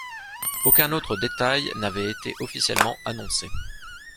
Aucun autre détail n'avait été officiellement annoncé.